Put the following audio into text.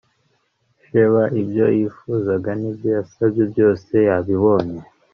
Sheba ibyo yifuzaga n ibyo yasabye byose yabibonye